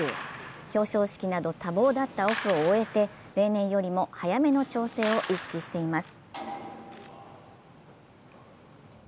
表彰式など多忙だったオフを終えて例年よりも早めの調整を意識しています。